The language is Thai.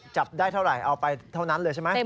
จับได้เท่าไหร่เอาไปเท่านั้นเลยใช่ไหม